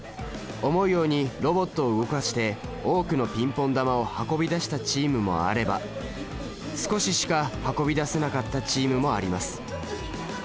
思うようにロボットを動かして多くのピンポン球を運び出したチームもあれば少ししか運び出せなかったチームもあります。